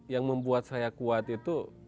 yang membuat saya kuat itu